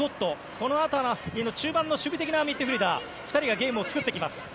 この辺りの中盤の守備的なミッドフィールダーがゲームを作っていきます。